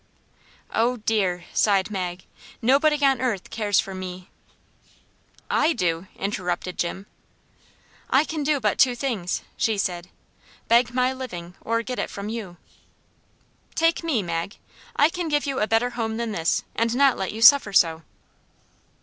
"Oh, dear!" sighed Mag; "Nobody on earth cares for ME " "I do," interrupted Jim. "I can do but two things," said she, "beg my living, or get it from you." "Take me, Mag. I can give you a better home than this, and not let you suffer so."